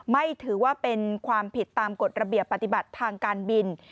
ไม่ถือว่าเป็นความผิดตามกฎระเบียบปฏิบัติทางการบิน